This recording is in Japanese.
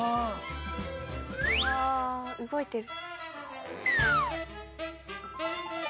あ動いてる。